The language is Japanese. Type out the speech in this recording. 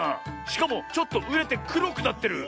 しかもちょっとうれてくろくなってる。